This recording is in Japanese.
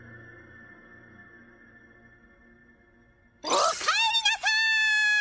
おかえりなさい！